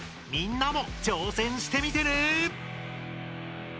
みんなも挑戦してみてね！